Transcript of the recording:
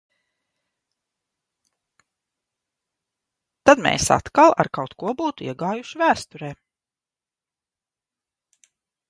Tad mēs atkal ar kaut ko būtu iegājuši vēsturē.